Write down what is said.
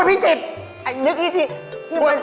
เปือคนอาหารที่กล้วย